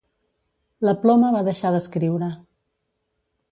La ploma va deixar d'escriure.